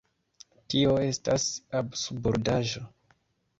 Tio estas absurdaĵo!